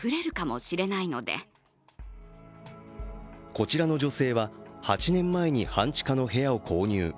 こちらの女性は８年前に半地下の部屋を購入。